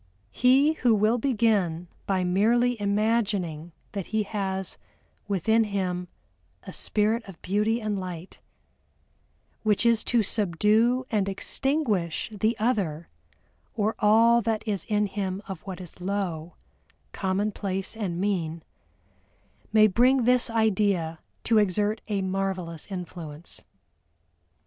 He who will begin by merely imagining that he has within him a spirit of beauty and light, which is to subdue and extinguish the other or all that is in him of what is low, commonplace, and mean, may bring this idea to exert a marvelous influence.